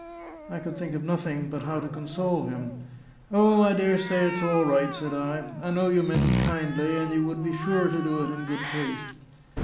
I could think of nothing but how to console him. "O, I daresay it's all right," said I. "I know you meant it kindly, and you would be sure to do it in good taste."